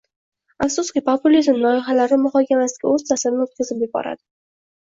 Afsuski, populizm lojihalari muxokamasiga o'z ta'sirini o'tkazib yuboradi...